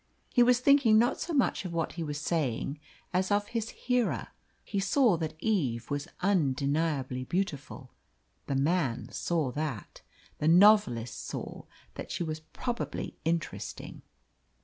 He was thinking not so much of what he was saying as of his hearer. He saw that Eve was undeniably beautiful the man saw that. The novelist saw that she was probably interesting.